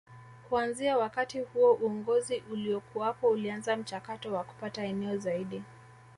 Kuanzia wakati huo uongozi uliokuwapo ulianza mchakato wa kupata eneo zaidi